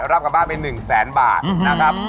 รับกลับบ้านไป๑แสนบาทนะครับ